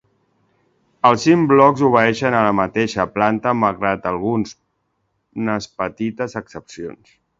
Els cinc blocs obeeixen a la mateixa planta malgrat algunes petites excepcions.